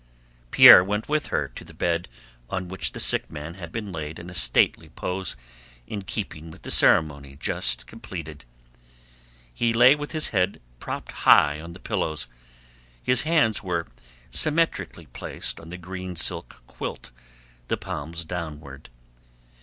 Pierre went with her to the bed on which the sick man had been laid in a stately pose in keeping with the ceremony just completed. He lay with his head propped high on the pillows. His hands were symmetrically placed on the green silk quilt, the palms downward.